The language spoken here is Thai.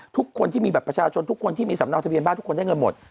ทุกคนที่มีสำนักอธิบัตรในเมืองทุกคนได้เงินหมด